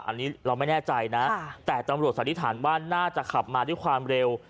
อันนี้เราไม่แน่ใจนะแต่ตำรวจสันนิษฐานว่าน่าจะขับมาด้วยความเร็ว